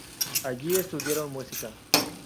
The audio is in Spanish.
Allí estudiaron música.